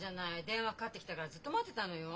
電話かかってきてからずっと待ってたのよ。